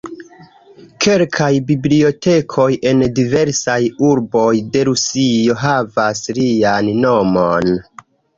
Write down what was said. Kelkaj bibliotekoj en diversaj urboj de Rusio havas lian nomon.